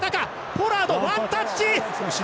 ポラード、ワンタッチ！